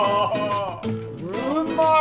うっまい！